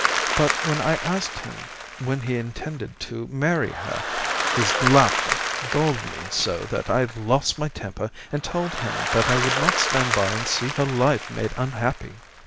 But when I asked him when he intended to marry her his laughter galled me so that I lost my temper and told him that I would not stand by and see her life made unhappy.